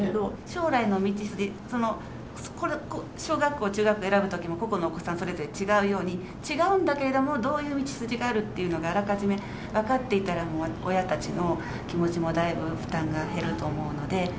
将来の道筋、小学校、中学校選ぶときも個々のお子さん、それぞれ違うように、違うんだけれども、どういう道筋があるっていうのがあらかじめ分かっていたら、もう親たちの気持ちもだいぶ負担が減ると思うので。